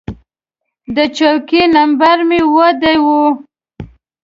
د چوکۍ نمبر مې اووه ډي و.